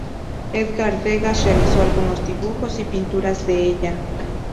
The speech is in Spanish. Edgar Degas realizó algunos dibujos y pinturas de ella.